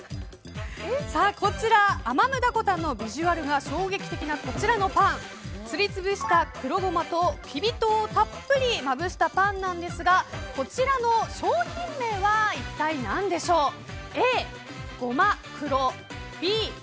アマムダコタンのビジュアルが衝撃的なこちらのパンすりつぶした黒ゴマとキビ糖をたっぷりまぶしたパンなんですがこちらの商品名は一体何でしょう。